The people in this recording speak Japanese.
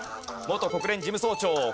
元国連事務総長。